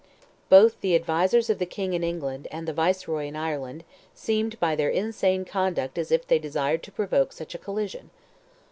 Both the advisers of the King in England, and the Viceroy in Ireland, seemed by their insane conduct as if they desired to provoke such a collision.